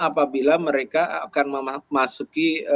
apabila mereka akan memasuki